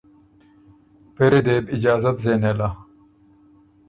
پېری دې بو اجازت زېن نېله۔